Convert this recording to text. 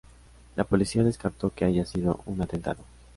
La Policía descartó que haya sido un atentado.